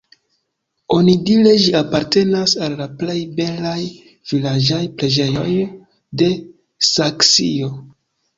Onidire ĝi apartenas al la plej belaj vilaĝaj preĝejoj de Saksio.